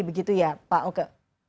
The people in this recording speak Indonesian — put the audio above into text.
begitu ya pak oke